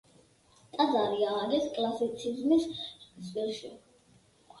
ტაძარი ააგეს კლასიციზმის სტილში.